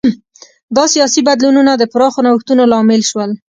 دا سیاسي بدلونونه د پراخو نوښتونو لامل شول.